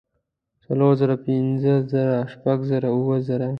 څلور زره پنځۀ زره شپږ زره اووه زره